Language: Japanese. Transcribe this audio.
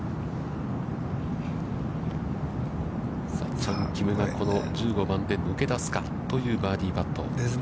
チャン・キムがこの１５番で抜け出すかというバーディーパット。ですね。